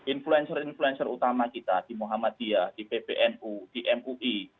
influencer influencer utama kita di muhammadiyah di pbnu di mui